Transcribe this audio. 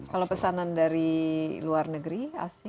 kalau pesanan dari luar negeri asing